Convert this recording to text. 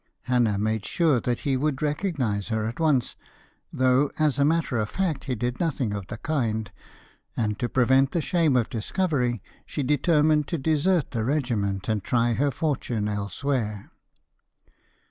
Hannah made sure that he would recognise her at once, though as a matter of fact he did nothing of the kind, and to prevent the shame of discovery, she determined to desert the regiment, and try her fortune elsewhere.